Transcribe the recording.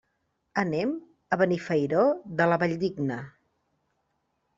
Anem a Benifairó de la Valldigna.